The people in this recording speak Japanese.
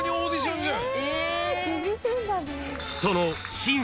厳しいんだね。